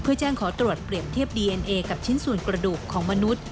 เพื่อแจ้งขอตรวจเปรียบเทียบดีเอ็นเอกับชิ้นส่วนกระดูกของมนุษย์